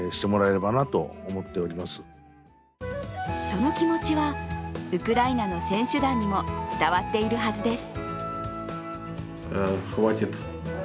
その気持ちはウクライナの選手団にも伝わっているはずです。